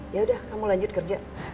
yaudah kamu lanjut kerja